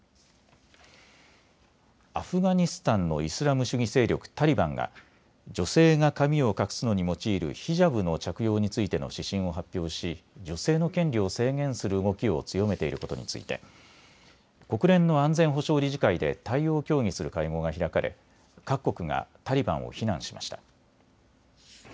アフガニスタンのイスラム主義勢力タリバンが女性が髪を隠すのに用いるヒジャブの着用についての指針を発表し女性の権利を制限する動きを強めていることについて国連の安全保障理事会で対応を協議する会合が開かれ各国がタリバンを非難しました。